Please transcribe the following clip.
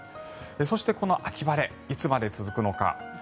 そしてこの秋晴れいつまで続くのか。